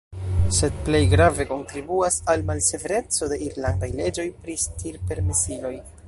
Sed plej grave kontribuas la malsevereco de irlandaj leĝoj pri stirpermesiloj.